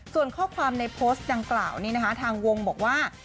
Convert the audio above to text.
ส่วนข้อความในโพสต์ดังกล่าวนี้นะคะทางวงบอกว่า